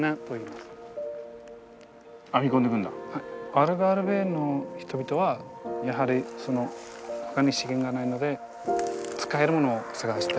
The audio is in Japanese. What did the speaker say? アルガルヴェの人々はやはりほかに資源がないので使えるものを探して。